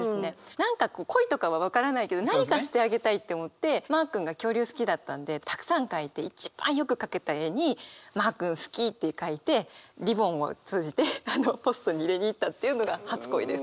何か恋とかは分からないけど何かしてあげたいって思ってマー君が恐竜好きだったんでたくさん描いて一番よく描けた絵に「マー君好き」って書いてリボンをつうじてポストに入れに行ったっていうのが初恋です。